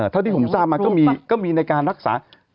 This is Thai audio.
เท่าที่ผมทราบมาก็มีในการรักษา